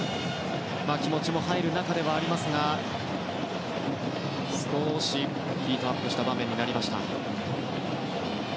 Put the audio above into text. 気持ちも入る中ではありますが少しヒートアップした場面になりました。